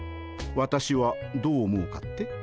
私はどう思うかって？